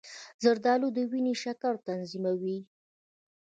زردآلو د وینې شکر تنظیموي.